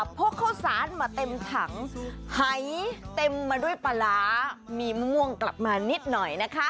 พกข้าวสารมาเต็มถังหายเต็มมาด้วยปลาร้ามีมะม่วงกลับมานิดหน่อยนะคะ